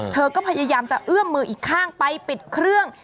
เธอก็พยายามจะเอื้อมมืออีกข้างไปปิดเครื่อง